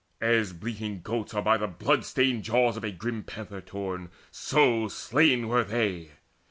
As bleating goats are by the blood stained jaws Of a grim panther torn, so slain were they.